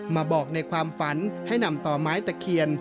มาบอกในความฝันให้นำต่อไม้ตะเคียน